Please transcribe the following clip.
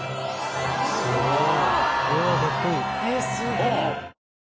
すごい！